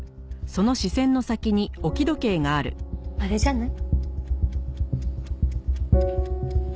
あれじゃない？